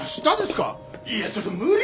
いやちょっと無理ですよ！